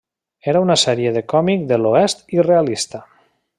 Era una sèrie de còmic de l'oest i realista.